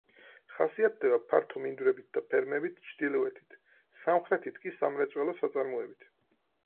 ხასიათდება ფართო მინდვრებით და ფერმებით ჩრდილოეთით, სამხრეთით კი სამრეწველო საწარმოებით.